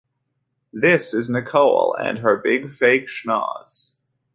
This is Nicole and her Big Fake Schnoz.